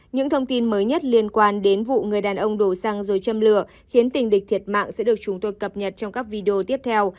những thông tin mới nhất liên quan đến vụ người đàn ông đổ xăng rồi châm lửa khiến tình địch thiệt mạng sẽ được chúng tôi cập nhật trong các video tiếp theo